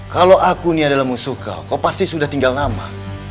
kalau aku ini adalah musuh kau pasti sudah tinggal nama